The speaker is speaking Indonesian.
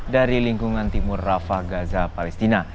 dari lingkungan timur rafa gaza palestina